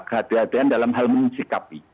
kehati hatian dalam hal menyikapi